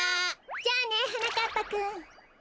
じゃあねはなかっぱくん。